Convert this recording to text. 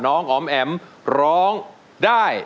น้องอ๋อมแอมร้องได้